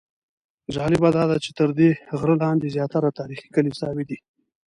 جالبه داده چې تر دې غره لاندې زیاتره تاریخي کلیساوې دي.